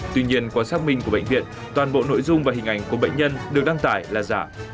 tuy nhiên quan sát mình của bệnh viện toàn bộ nội dung và hình ảnh của bệnh nhân được đăng tải là giả